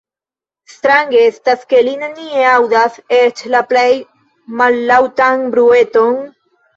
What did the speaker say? Strange estas, ke li nenie aŭdas eĉ la plej mallaŭtan brueton.